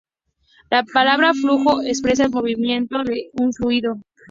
La palabra flujo expresa el movimiento de un fluido.